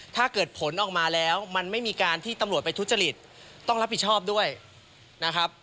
ถ้าเกิดผลออกมาแล้วมันไม่มีการที่ตำรวจไปทุจริตต้องรับผิดชอบด้วยนะครับ